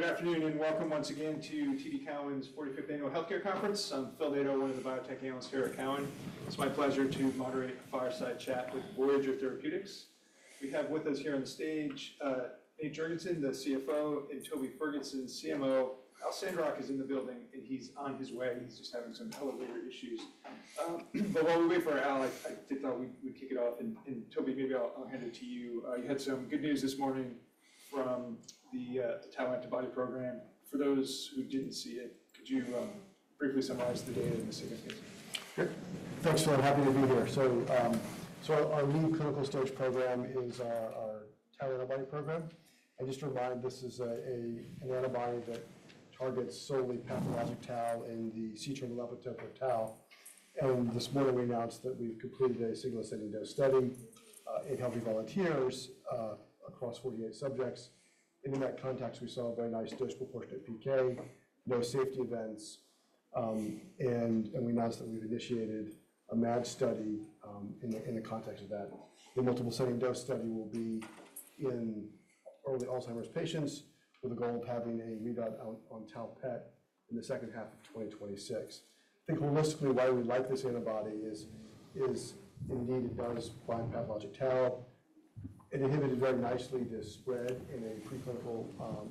Good afternoon and welcome once again to TD Cowen's 45th Annual Healthcare Conference. I'm Phil Nadeau, one of the biotech analysts here at Cowen. It's my pleasure to moderate a fireside chat with Voyager Therapeutics. We have with us here on the stage Nate Jorgensen, the CFO, and Toby Ferguson, CMO. Al Sandrock is in the building and he's on his way. He's just having some elevator issues. While we wait for Al, I'd thought we'd kick it off. Toby, maybe I'll hand it to you. You had some good news this morning from the anti-tau antibody program. For those who didn't see it, could you briefly summarize the data and the significance? Sure. Thanks for that. Happy to be here. Our lead clinical stage program is our anti-tau antibody program. Just to remind, this is an antibody that targets solely pathologic tau in the C-terminal epitope of tau. This morning we announced that we've completed a single ascending dose study in healthy volunteers across 48 subjects. In that context, we saw a very nice disproportionate PK, no safety events. We announced that we've initiated a MAD study in the context of that. The multiple ascending dose study will be in early Alzheimer's patients with a goal of having a readout on tau PET in the second half of 2026. I think holistically, why we like this antibody is, indeed, it does bind pathologic tau. It inhibited very nicely the spread in a preclinical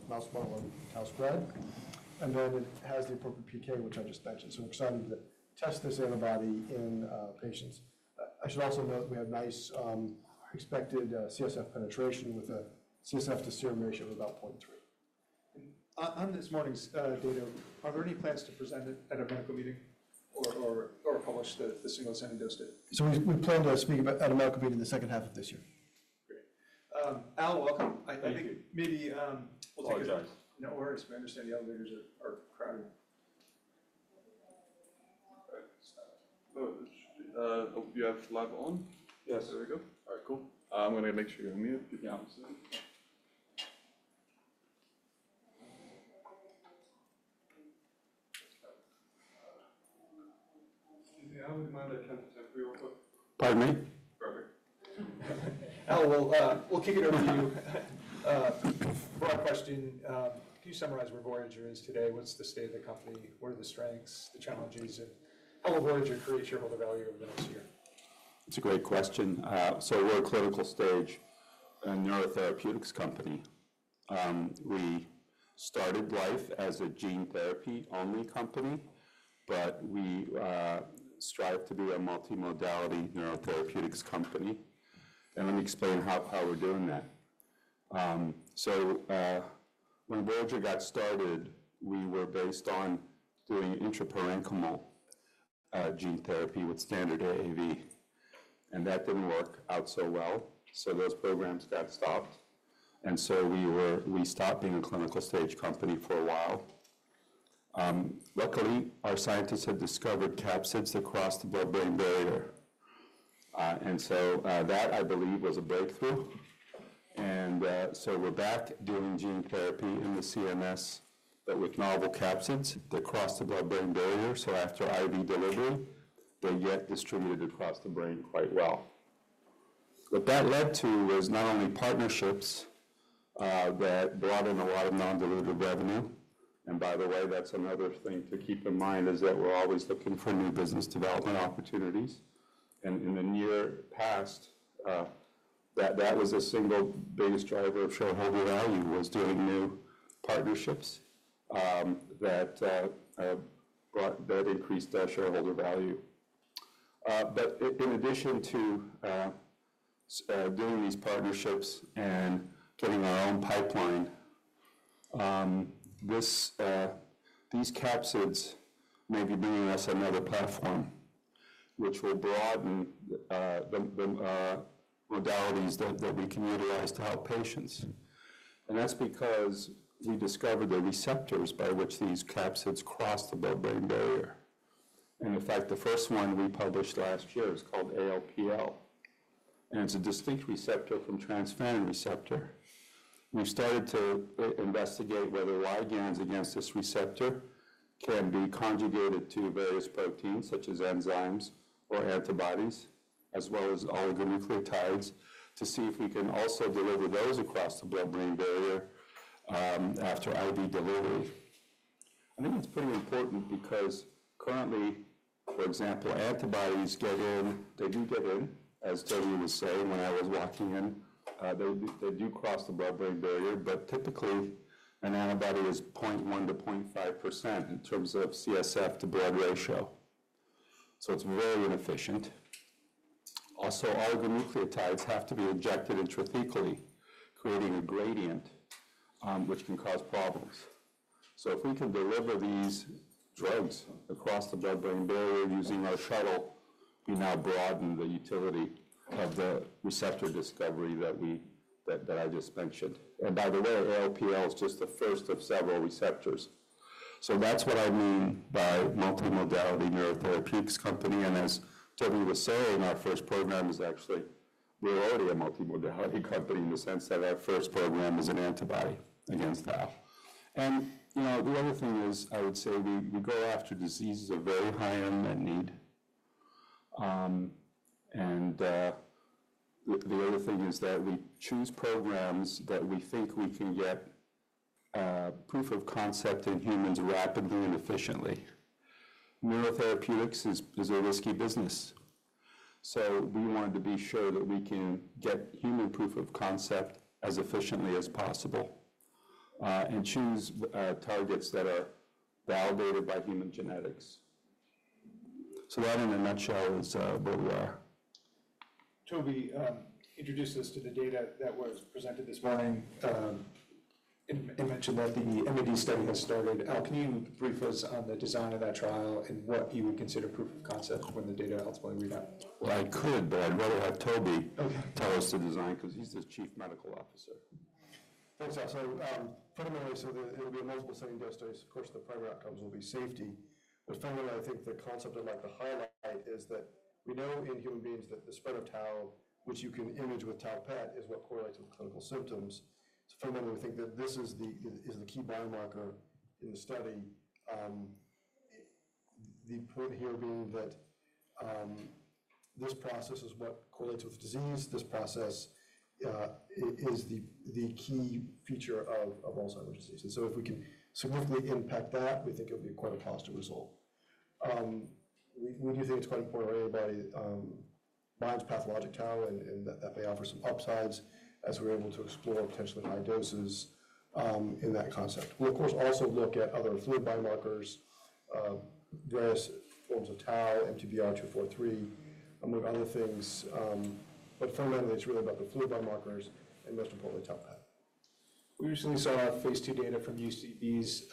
mouse model of tau spread. It has the appropriate PK, which I just mentioned. We're excited to test this antibody in patients. I should also note we have nice expected CSF penetration with a CSF-to-serum ratio of about 0.3. On this morning's data, are there any plans to present it at a medical meeting or publish the single ascending dose data? We plan to speak about it at a medical meeting in the second half of this year. Great. Al, welcome. I think maybe we'll take it. Sorry, guys. No worries. We understand the elevators are crowded. You have mic on? Yes. There we go. All right, cool. I'm going to make sure you're on mute. Yeah, I'm just. Pardon me? Perfect. Al, we'll kick it over to you. Broad question. Can you summarize where Voyager is today? What's the state of the company? What are the strengths, the challenges, and how will Voyager create shareholder value over the next year? That's a great question. We're a clinical stage neurotherapeutics company. We started life as a gene therapy-only company, but we strive to be a multimodality neurotherapeutics company. Let me explain how we're doing that. When Voyager got started, we were based on doing intraparenchymal gene therapy with standard AAV. That did not work out so well. Those programs got stopped. We stopped being a clinical stage company for a while. Luckily, our scientists had discovered capsids across the blood-brain barrier. I believe that was a breakthrough. We're back doing gene therapy in the CNS, but with novel capsids that cross the blood-brain barrier. After IV delivery, they get distributed across the brain quite well. What that led to was not only partnerships that brought in a lot of non-delivered revenue. By the way, that's another thing to keep in mind is that we're always looking for new business development opportunities. In the near past, that was a single biggest driver of shareholder value, was doing new partnerships that increased shareholder value. In addition to doing these partnerships and getting our own pipeline, these capsids may be bringing us another platform, which will broaden the modalities that we can utilize to help patients. That's because we discovered the receptors by which these capsids cross the blood-brain barrier. In fact, the first one we published last year is called ALPL. It's a distinct receptor from transferrin receptor. We've started to investigate whether ligands against this receptor can be conjugated to various proteins, such as enzymes or antibodies, as well as oligonucleotides, to see if we can also deliver those across the blood-brain barrier after IV delivery. I think that's pretty important because currently, for example, antibodies get in. They do get in, as Toby was saying when I was walking in. They do cross the blood-brain barrier, but typically, an antibody is 0.1-0.5% in terms of CSF-to-blood ratio. It's very inefficient. Also, oligonucleotides have to be injected intrathecally, creating a gradient, which can cause problems. If we can deliver these drugs across the blood-brain barrier using our shuttle, we now broaden the utility of the receptor discovery that I just mentioned. By the way, ALPL is just the first of several receptors. That's what I mean by multimodality neurotherapeutics company. As Toby was saying, our first program is actually we're already a multimodality company in the sense that our first program is an antibody against tau. We go after diseases of very high unmet need. The other thing is that we choose programs that we think we can get proof of concept in humans rapidly and efficiently. Neurotherapeutics is a risky business. We wanted to be sure that we can get human proof of concept as efficiently as possible and choose targets that are validated by human genetics. That, in a nutshell, is where we are. Toby, introduce us to the data that was presented this morning. You mentioned that the MAD study has started. Al, can you brief us on the design of that trial and what you would consider proof of concept when the data ultimately readout? I could, but I'd rather have Toby tell us the design because he's the Chief Medical Officer. Thanks, Al. Put simply so that it'll be a multiple-ascending dose study. Of course, the primary outcomes will be safety. Fundamentally, I think the concept I'd like to highlight is that we know in human beings that the spread of tau, which you can image with tau PET, is what correlates with clinical symptoms. Fundamentally, we think that this is the key biomarker in the study. The point here being that this process is what correlates with disease. This process is the key feature of Alzheimer's disease. If we can significantly impact that, we think it'll be quite a positive result. We do think it's quite important where anybody binds pathologic tau, and that may offer some upsides as we're able to explore potentially high doses in that concept. We'll, of course, also look at other fluid biomarkers, various forms of tau, MTBR243, among other things. Fundamentally, it's really about the fluid biomarkers and most importantly, tau PET. We recently saw phase two data from UCB's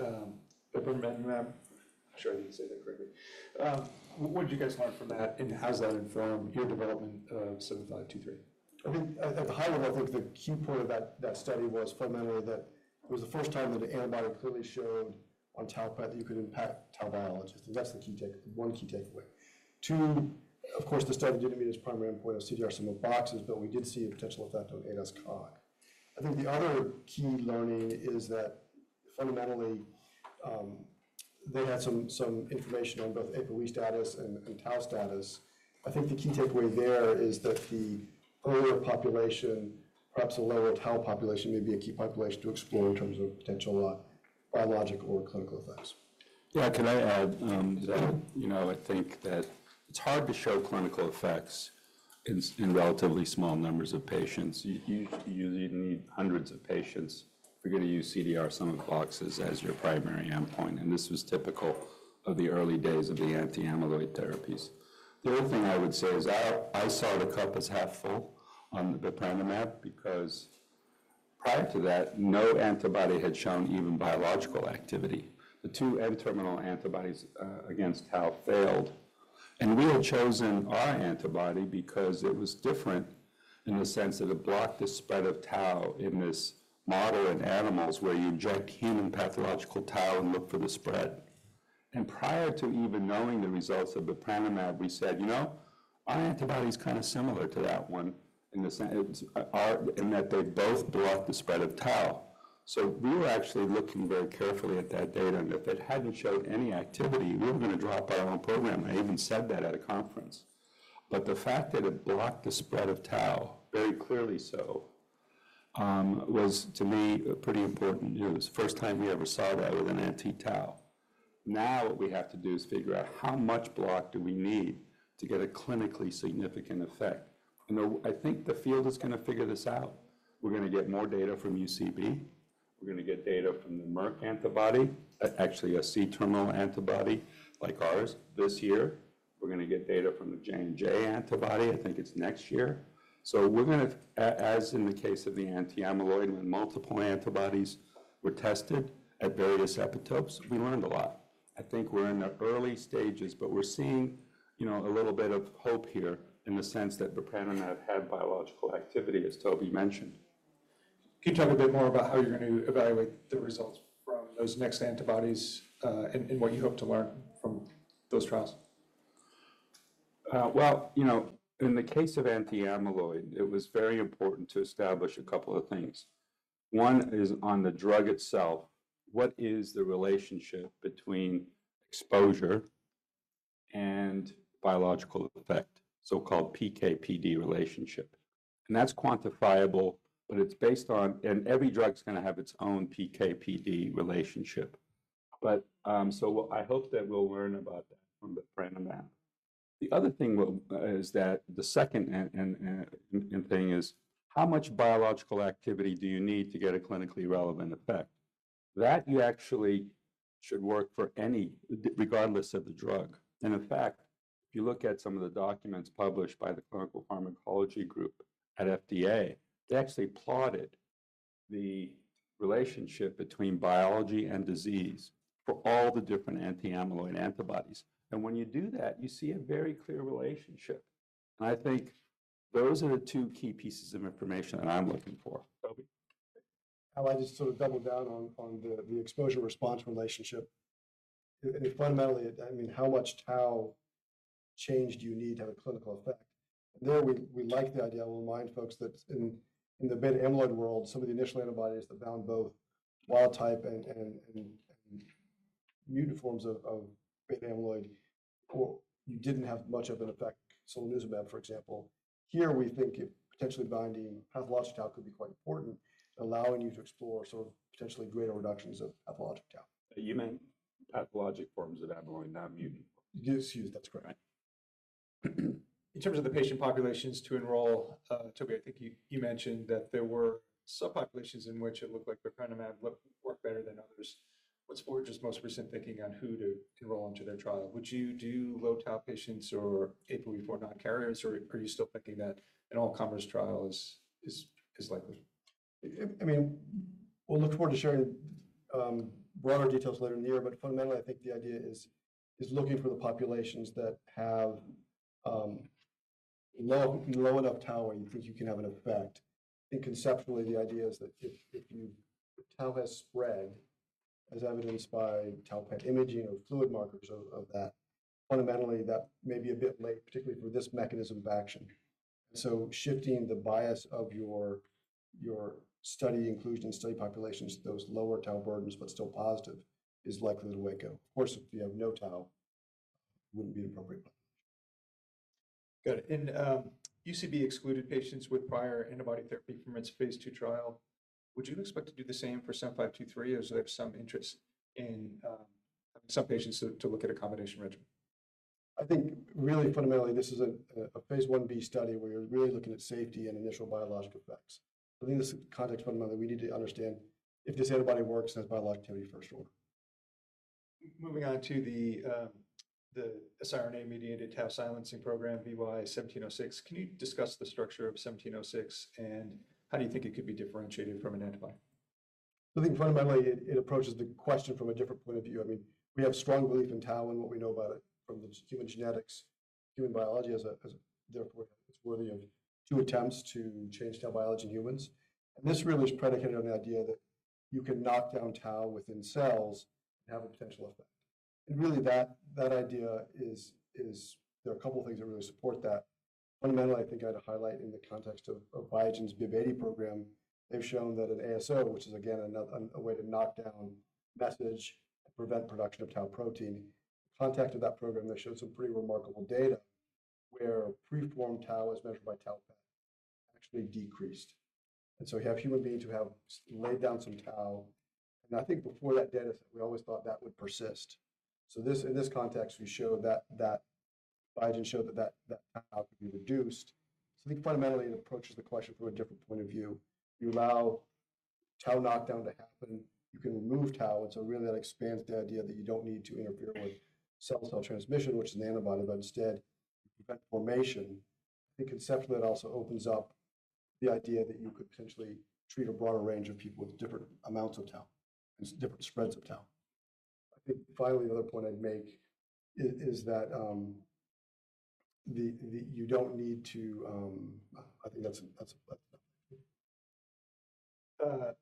Bepranemab. I'm sure I didn't say that correctly. What did you guys learn from that, and how's that informed your development of 7523? I think at the high level, I think the key point of that study was fundamentally that it was the first time that an antibody clearly showed on tau PET that you could impact tau biology. That is the key takeaway. Two, of course, the study did not meet its primary endpoint of CDR-Sum of Boxes, but we did see a potential effect on ADAS-Cog. I think the other key learning is that fundamentally, they had some information on both APOE status and tau status. I think the key takeaway there is that the older population, perhaps a lower tau population, may be a key population to explore in terms of potential biologic or clinical effects. Yeah, can I add? I think that it's hard to show clinical effects in relatively small numbers of patients. You usually need hundreds of patients if you're going to use CDR-Sum of Boxes as your primary endpoint. This was typical of the early days of the anti-amyloid therapies. The other thing I would say is I saw the cup as half full on the Bepranemab because prior to that, no antibody had shown even biological activity. The two N-terminal antibodies against tau failed. We had chosen our antibody because it was different in the sense that it blocked the spread of tau in this model in animals where you inject human pathological tau and look for the spread. Prior to even knowing the results of Bepranemab, we said, you know, our antibody is kind of similar to that one in that they both block the spread of tau. We were actually looking very carefully at that data. If it had not showed any activity, we were going to drop our own program. I even said that at a conference. The fact that it blocked the spread of tau, very clearly so, was, to me, pretty important news. First time we ever saw that with an anti-tau. Now what we have to do is figure out how much block we need to get a clinically significant effect. I think the field is going to figure this out. We are going to get more data from UCB. We are going to get data from the Merck antibody, actually a C-terminal antibody like ours, this year. We're going to get data from the J&J antibody. I think it's next year. As in the case of the anti-amyloid when multiple antibodies were tested at various epitopes, we learned a lot. I think we're in the early stages, but we're seeing a little bit of hope here in the sense that Bepranemab had biological activity, as Toby mentioned. Can you talk a bit more about how you're going to evaluate the results from those next antibodies and what you hope to learn from those trials? In the case of anti-amyloid, it was very important to establish a couple of things. One is on the drug itself. What is the relationship between exposure and biological effect, so-called PK/PD relationship? That's quantifiable, but it's based on, and every drug is going to have its own PK/PD relationship. I hope that we'll learn about that from Bepranemab. The other thing is that the second thing is how much biological activity do you need to get a clinically relevant effect? That you actually should work for any, regardless of the drug. In fact, if you look at some of the documents published by the Clinical Pharmacology Group at FDA, they actually plotted the relationship between biology and disease for all the different anti-amyloid antibodies. When you do that, you see a very clear relationship. I think those are the two key pieces of information that I'm looking for. Al, I just sort of doubled down on the exposure-response relationship. Fundamentally, I mean, how much tau change do you need to have a clinical effect? There, we like the idea, we'll remind folks that in the beta-amyloid world, some of the initial antibodies that bound both wild-type and mutant forms of beta-amyloid, you didn't have much of an effect. Solanezumab, for example, here we think potentially binding pathologic tau could be quite important, allowing you to explore sort of potentially greater reductions of pathologic tau. You meant pathologic forms of amyloid, not mutant forms? Excuse me, that's correct. In terms of the patient populations to enroll, Toby, I think you mentioned that there were subpopulations in which it looked like Bepranemab worked better than others. What's Biogen's most recent thinking on who to enroll into their trial? Would you do low-tau patients or APOE4 non-carriers, or are you still thinking that an all-comers trial is likely? I mean, we'll look forward to sharing broader details later in the year. Fundamentally, I think the idea is looking for the populations that have low enough tau where you think you can have an effect. I think conceptually, the idea is that if tau has spread, as evidenced by tau PET imaging or fluid markers of that, fundamentally, that may be a bit late, particularly for this mechanism of action. Shifting the bias of your study inclusion study populations, those lower tau burdens but still positive, is likely the way to go. Of course, if you have no tau, it wouldn't be an appropriate population. Got it. UCB excluded patients with prior antibody therapy from its phase II trial. Would you expect to do the same for 7523, or is there some interest in having some patients to look at a combination regimen? I think really, fundamentally, this is a phase I B study where you're really looking at safety and initial biologic effects. In this context, fundamentally, we need to understand if this antibody works, then biologic activity first order. Moving on to the siRNA-mediated tau silencing program, VY1706. Can you discuss the structure of 1706, and how do you think it could be differentiated from an antibody? I think fundamentally, it approaches the question from a different point of view. I mean, we have strong belief in tau and what we know about it from the human genetics, human biology. Therefore, it's worthy of two attempts to change tau biology in humans. This really is predicated on the idea that you can knock down tau within cells and have a potential effect. That idea is there are a couple of things that really support that. Fundamentally, I think I'd highlight in the context of Biogen's BIIB080 program, they've shown that an ASO, which is again a way to knock down message and prevent production of tau protein, the context of that program, they showed some pretty remarkable data where pre-form tau is measured by tau PET actually decreased. You have human beings who have laid down some tau. I think before that dataset, we always thought that would persist. In this context, we showed that Voyager showed that that tau could be reduced. I think fundamentally, it approaches the question from a different point of view. You allow tau knockdown to happen. You can remove tau. Really, that expands the idea that you don't need to interfere with cell-cell transmission, which is an antibody, but instead prevent formation. I think conceptually, it also opens up the idea that you could potentially treat a broader range of people with different amounts of tau and different spreads of tau. I think finally, the other point I'd make is that you don't need to.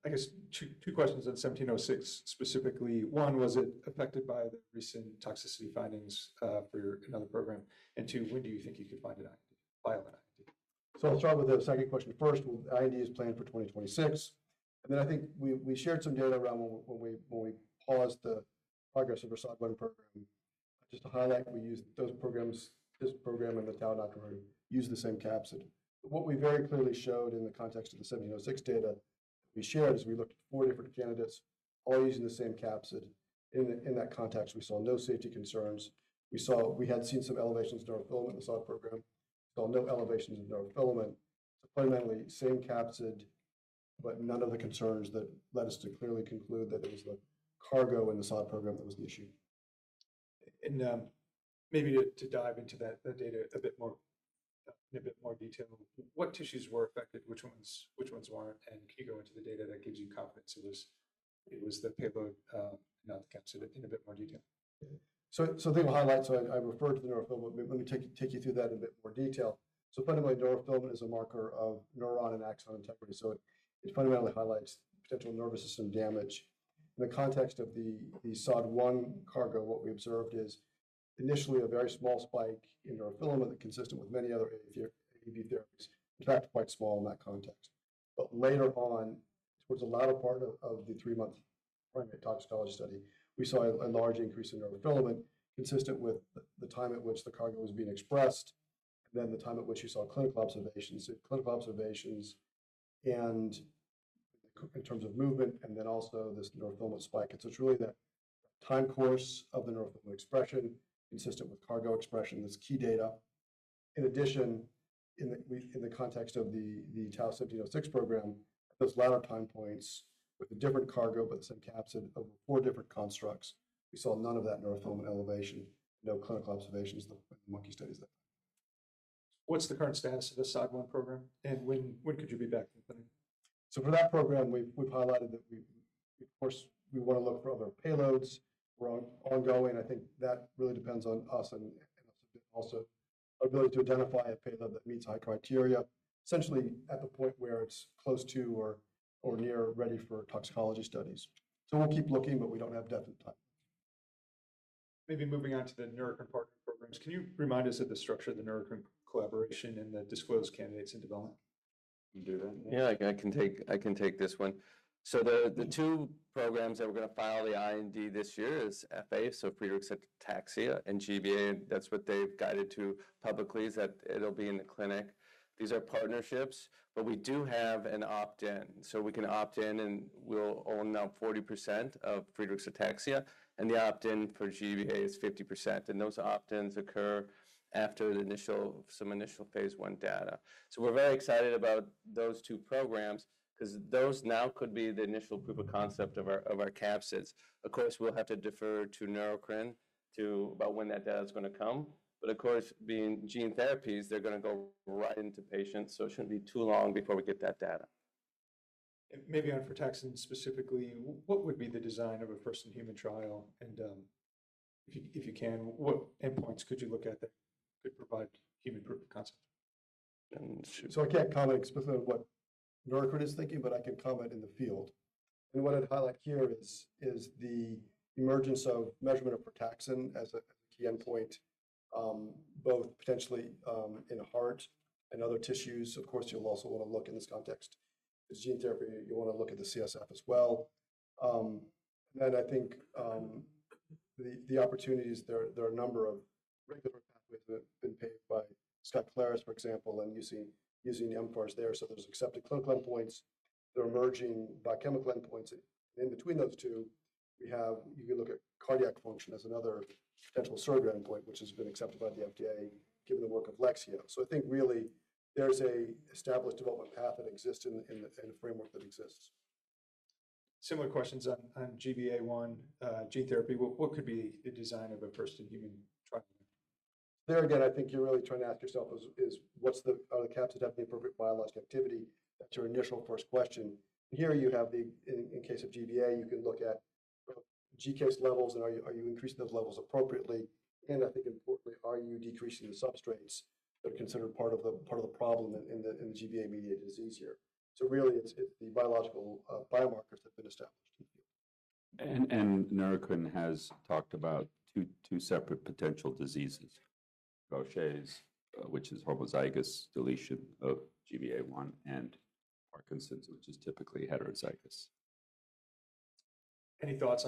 I guess two questions on 1706 specifically. One, was it affected by the recent toxicity findings for another program? Two, when do you think you could file an IND? I'll start with the second question first. IND is planned for 2026. I think we shared some data around when we paused the progress of our SOD program. Just to highlight, we used those programs, this program and the tau doctor, used the same capsid. What we very clearly showed in the context of the 1706 data that we shared is we looked at four different candidates, all using the same capsid. In that context, we saw no safety concerns. We had seen some elevations in neurofilament in the SOD program. We saw no elevations in neurofilament. Fundamentally, same capsid, but none of the concerns that led us to clearly conclude that it was the cargo in the SOD program that was the issue. Maybe to dive into that data a bit more in a bit more detail, what tissues were affected, which ones were not, and can you go into the data that gives you confidence it was the payload and not the capsid in a bit more detail? I think I'll highlight, I referred to the neurofilament, but let me take you through that in a bit more detail. Fundamentally, neurofilament is a marker of neuron and axon integrity. It fundamentally highlights potential nervous system damage. In the context of the SOD1 cargo, what we observed is initially a very small spike in neurofilament consistent with many other AAV therapies. In fact, quite small in that context. Later on, towards the latter part of the three-month primary toxicology study, we saw a large increase in neurofilament consistent with the time at which the cargo was being expressed and then the time at which you saw clinical observations. Clinical observations and in terms of movement and then also this neurofilament spike. It's really that time course of the neurofilament expression consistent with cargo expression that is key data. In addition, in the context of the tau 1706 program, at those latter time points with a different cargo but the same capsid over four different constructs, we saw none of that neurofilament elevation, no clinical observations in the monkey studies that time. What's the current status of the SOD1 program, and when could you be back opening? For that program, we've highlighted that, of course, we want to look for other payloads. We're ongoing. I think that really depends on us and also our ability to identify a payload that meets high criteria, essentially at the point where it's close to or near ready for toxicology studies. We'll keep looking, but we don't have definite time. Maybe moving on to the Neurocrine and partner programs, can you remind us of the structure of the Neurocrine collaboration and the disclosed candidates and development? Yeah, I can take this one. The two programs that we're going to file the IND this year are FA, so Friedreich's ataxia, and GBA. That's what they've guided to publicly is that it'll be in the clinic. These are partnerships, but we do have an opt-in. We can opt in and we'll own now 40% of Friedreich's ataxia. The opt-in for GBA is 50%. Those opt-ins occur after some initial phase one data. We're very excited about those two programs because those now could be the initial proof of concept of our capsids. Of course, we'll have to defer to Neurocrine about when that data is going to come. Of course, being gene therapies, they're going to go right into patients. It shouldn't be too long before we get that data. Maybe on protection specifically, what would be the design of a first-in-human trial? If you can, what endpoints could you look at that could provide human proof of concept? I can't comment explicitly on what Neurocrine is thinking, but I can comment in the field. What I'd highlight here is the emergence of measurement of protection as a key endpoint, both potentially in the heart and other tissues. Of course, you'll also want to look in this context as gene therapy, you want to look at the CSF as well. I think the opportunities, there are a number of regular pathways that have been paved by Skyclarys, for example, and using the mFARS there. There are accepted clinical endpoints. There are emerging biochemical endpoints. In between those two, you can look at cardiac function as another potential surgery endpoint, which has been accepted by the FDA given the work of Alexion. I think really there's an established development path that exists in a framework that exists. Similar questions on GBA1 gene therapy. What could be the design of a first-in-human trial? There again, I think you're really trying to ask yourself is, are the capsids having the appropriate biologic activity? That's your initial first question. Here you have the, in case of GBA, you can look at GCase levels and are you increasing those levels appropriately? I think importantly, are you decreasing the substrates that are considered part of the problem in the GBA-mediated disease here? It's the biological biomarkers that have been established in the field. Neurocrine has talked about two separate potential diseases, Gaucher's, which is homozygous deletion of GBA1, and Parkinson's, which is typically heterozygous. Any thoughts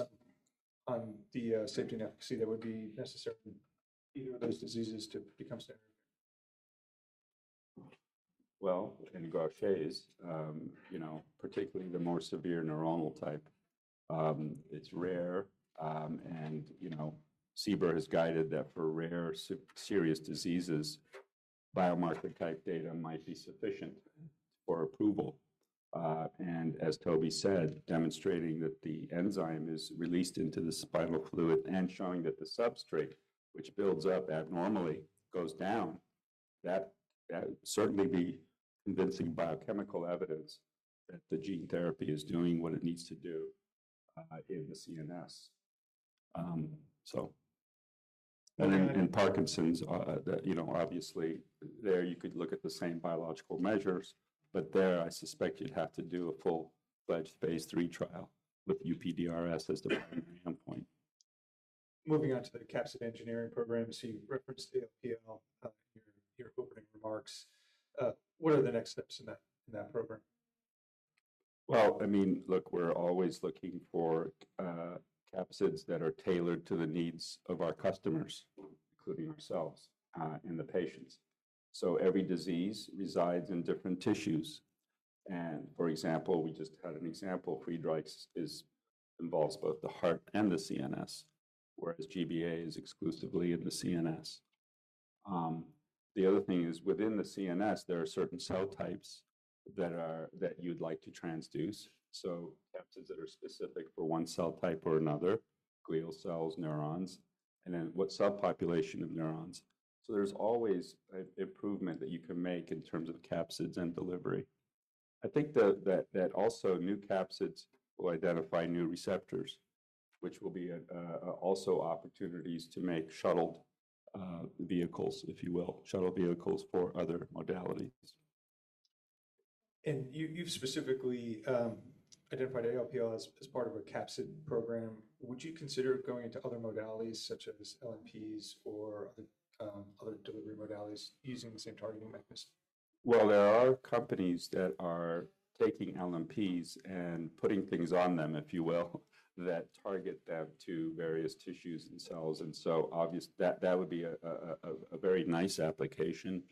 on the safety and efficacy that would be necessary for either of those diseases to become standard? In Gaucher's, particularly the more severe neuronal type, it's rare. CBER has guided that for rare serious diseases, biomarker-type data might be sufficient for approval. As Toby said, demonstrating that the enzyme is released into the spinal fluid and showing that the substrate, which builds up abnormally, goes down, that would certainly be convincing biochemical evidence that the gene therapy is doing what it needs to do in the CNS. In Parkinson's, obviously, you could look at the same biological measures, but I suspect you'd have to do a full-fledged phase III trial with UPDRS as the primary endpoint. Moving on to the capsid engineering program, you referenced ALPL in your opening remarks. What are the next steps in that program? I mean, look, we're always looking for capsids that are tailored to the needs of our customers, including ourselves and the patients. Every disease resides in different tissues. For example, we just had an example, Friedreich's involves both the heart and the CNS, whereas GBA is exclusively in the CNS. The other thing is within the CNS, there are certain cell types that you'd like to transduce. Capsids that are specific for one cell type or another, glial cells, neurons, and then what cell population of neurons. There is always improvement that you can make in terms of capsids and delivery. I think that also new capsids will identify new receptors, which will be also opportunities to make shuttled vehicles, if you will, shuttle vehicles for other modalities. You have specifically identified ALPL as part of a capsid program. Would you consider going into other modalities such as LNPs or other delivery modalities using the same targeting mechanism? There are companies that are taking LNPs and putting things on them, if you will, that target them to various tissues and cells. That would be a very nice application.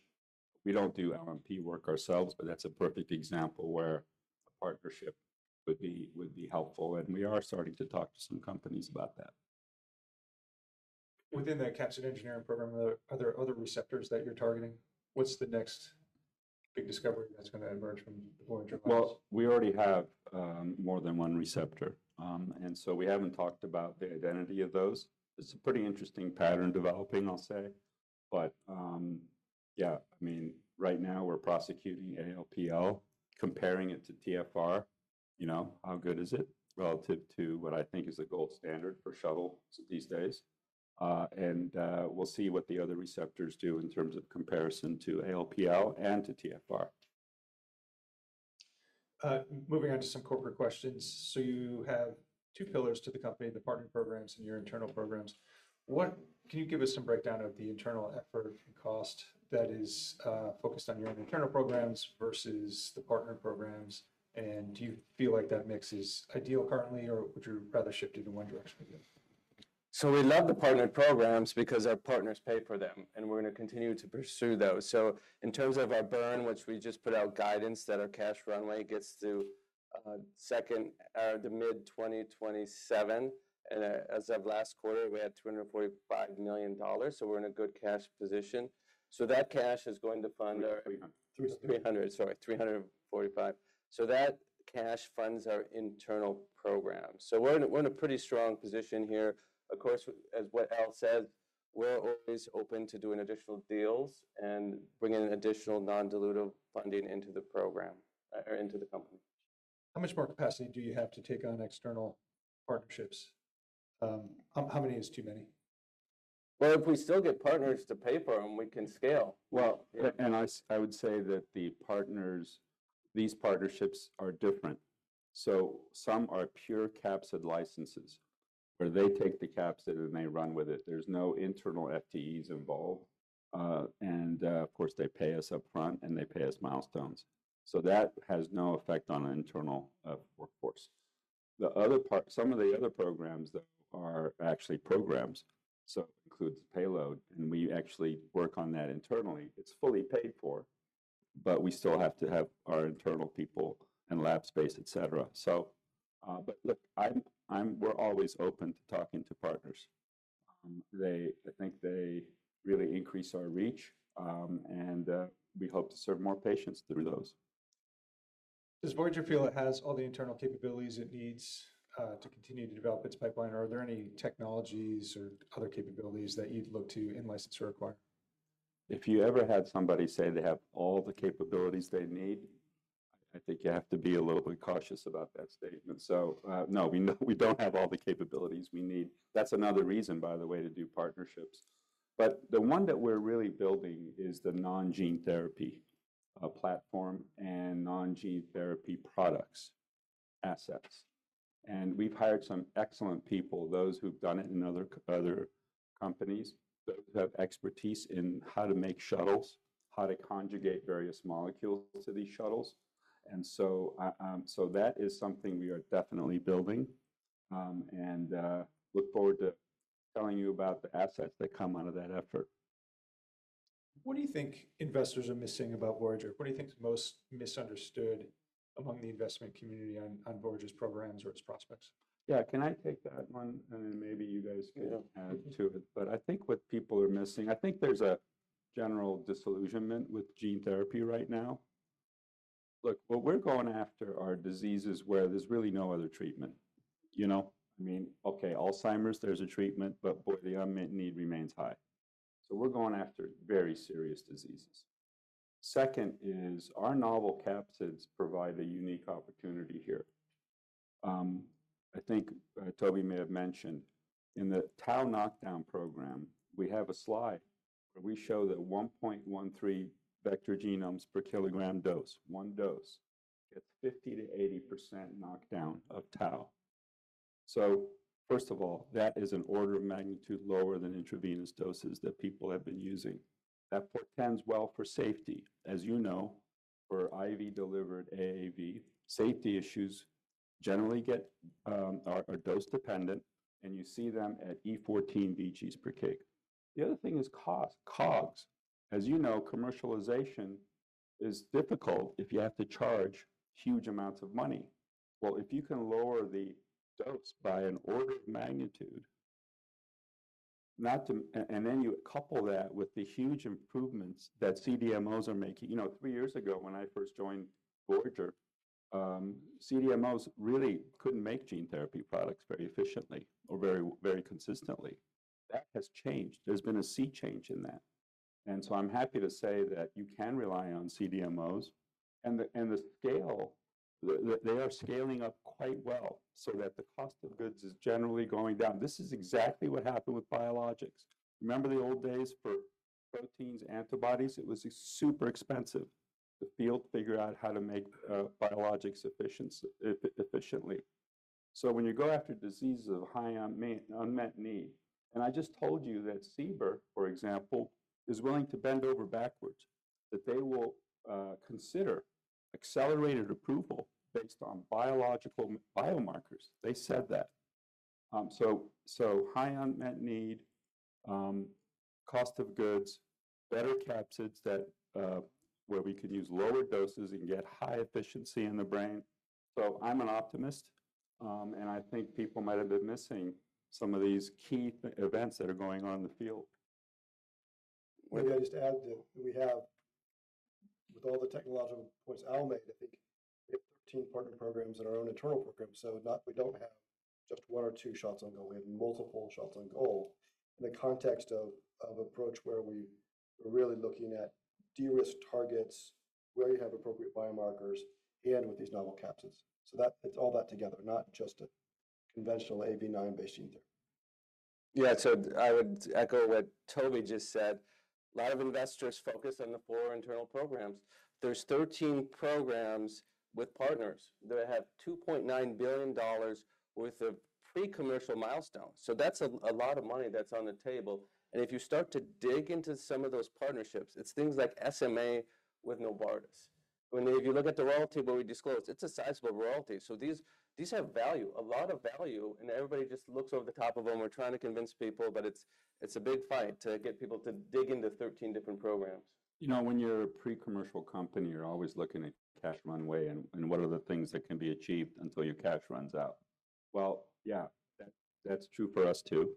We do not do LNP work ourselves, but that is a perfect example where a partnership would be helpful. We are starting to talk to some companies about that. Within that capsid engineering program, are there other receptors that you're targeting? What's the next big discovery that's going to emerge from the Voyager? We already have more than one receptor. We have not talked about the identity of those. It is a pretty interesting pattern developing, I will say. Yeah, right now we are prosecuting ALPL, comparing it to TfR. How good is it relative to what I think is the gold standard for shuttle these days? We will see what the other receptors do in terms of comparison to ALPL and to TFR. Moving on to some corporate questions. You have two pillars to the company, the partner programs and your internal programs. Can you give us some breakdown of the internal effort and cost that is focused on your internal programs versus the partner programs? Do you feel like that mix is ideal currently, or would you rather shift it in one direction? We love the partner programs because our partners pay for them, and we're going to continue to pursue those. In terms of our burn, we just put out guidance that our cash runway gets to mid-2027. As of last quarter, we had $245 million. We're in a good cash position. That cash is going to fund our 300, sorry, $345 million. That cash funds our internal program. We're in a pretty strong position here. Of course, as Al said, we're always open to doing additional deals and bringing additional non-dilutive funding into the program or into the company. How much more capacity do you have to take on external partnerships? How many is too many? If we still get partners to pay for them, we can scale. I would say that these partnerships are different. Some are pure capsid licenses where they take the capsid and they run with it. There are no internal FTEs involved. Of course, they pay us upfront and they pay us milestones. That has no effect on our internal workforce. Some of the other programs, though, are actually programs. It includes payload, and we actually work on that internally. It is fully paid for, but we still have to have our internal people and lab space, etc. Look, we are always open to talking to partners. I think they really increase our reach, and we hope to serve more patients through those. Does Voyager Therapeutics have all the internal capabilities it needs to continue to develop its pipeline, or are there any technologies or other capabilities that you'd look to in-license or acquire? If you ever had somebody say they have all the capabilities they need, I think you have to be a little bit cautious about that statement. No, we don't have all the capabilities we need. That's another reason, by the way, to do partnerships. The one that we're really building is the non-gene therapy platform and non-gene therapy products assets. We've hired some excellent people, those who've done it in other companies, those who have expertise in how to make shuttles, how to conjugate various molecules to these shuttles. That is something we are definitely building and look forward to telling you about the assets that come out of that effort. What do you think investors are missing about Voyager Therapeutics? What do you think is most misunderstood among the investment community on Voyager Therapeutics' programs or its prospects? Yeah, can I take that one? Then maybe you guys can add to it. I think what people are missing, I think there's a general disillusionment with gene therapy right now. Look, what we're going after are diseases where there's really no other treatment. I mean, okay, Alzheimer's, there's a treatment, but boy, the unmet need remains high. We're going after very serious diseases. Second is our novel capsids provide a unique opportunity here. I think Toby may have mentioned in the Tau Knockdown program, we have a slide where we show that 1.13 vector genomes per kilogram dose, one dose, gets 50-80% knockdown of Tau. First of all, that is an order of magnitude lower than intravenous doses that people have been using. That portends well for safety. As you know, for IV-delivered AAV, safety issues generally are dose-dependent, and you see them at E14 VGs per K. The other thing is cost, COGS. As you know, commercialization is difficult if you have to charge huge amounts of money. If you can lower the dose by an order of magnitude, and then you couple that with the huge improvements that CDMOs are making. Three years ago when I first joined Voyager Therapeutics, CDMOs really could not make gene therapy products very efficiently or very consistently. That has changed. There has been a sea change in that. I am happy to say that you can rely on CDMOs. The scale, they are scaling up quite well so that the cost of goods is generally going down. This is exactly what happened with biologics. Remember the old days for proteins, antibodies? It was super expensive to field, figure out how to make biologics efficiently. When you go after diseases of high unmet need, and I just told you that CBER, for example, is willing to bend over backwards, that they will consider accelerated approval based on biological biomarkers. They said that. High unmet need, cost of goods, better capsids where we could use lower doses and get high efficiency in the brain. I'm an optimist, and I think people might have been missing some of these key events that are going on in the field. Maybe I just add that we have, with all the technological points Al made, I think we have 13 partner programs and our own internal program. So we do not have just one or two shots on goal. We have multiple shots on goal in the context of an approach where we are really looking at de-risked targets, where you have appropriate biomarkers, and with these novel capsids. It is all that together, not just a conventional AAV9-based gene therapy. Yeah, I would echo what Toby just said. A lot of investors focus on the four internal programs. There are 13 programs with partners that have $2.9 billion worth of pre-commercial milestones. That is a lot of money that is on the table. If you start to dig into some of those partnerships, it is things like SMA with Novartis. When you look at the royalty that we disclosed, it is a sizable royalty. These have value, a lot of value, and everybody just looks over the top of them. We are trying to convince people, but it is a big fight to get people to dig into 13 different programs, you know. When you're a pre-commercial company, you're always looking at cash runway and what are the things that can be achieved until your cash runs out. Yeah, that's true for us too.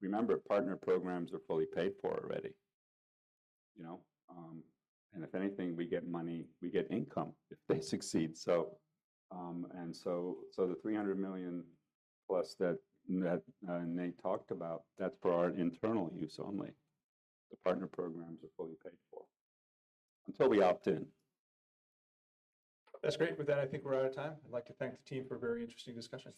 Remember, partner programs are fully paid for already. If anything, we get money, we get income if they succeed. The $300 million plus that Nate talked about, that's for our internal use only. The partner programs are fully paid for until we opt in. That's great. With that, I think we're out of time. I'd like to thank the team for a very interesting discussion.